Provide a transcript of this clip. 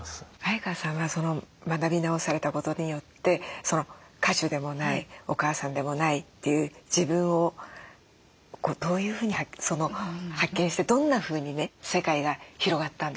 相川さんは学び直されたことによって歌手でもないお母さんでもないという自分をどういうふうに発見してどんなふうにね世界が広がったんですか？